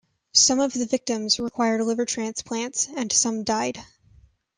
Some of the victims required liver transplants and some died.